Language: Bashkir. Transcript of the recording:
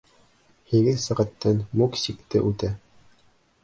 Һигеҙ сәғәттән Мук сикте үтә.